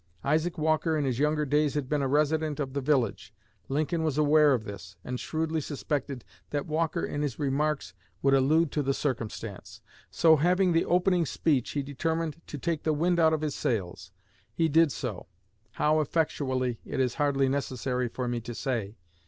Isaac Walker in his younger days had been a resident of the village. Lincoln was aware of this, and shrewdly suspected that Walker in his remarks would allude to the circumstance; so, having the opening speech, he determined to 'take the wind out of his sails.' He did so how effectually, it is hardly necessary for me to say.